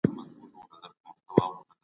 که موږ علت ونه مومو نو ستونزه نه حلیږي.